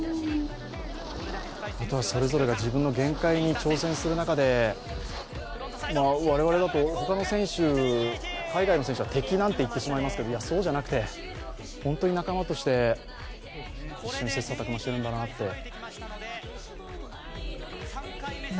それぞれが自分の限界に挑戦する中で我々だと、他の選手、海外の選手は敵なんていっちゃいますけどそうじゃなくて、本当に仲間として一緒に切磋琢磨してるんだなって。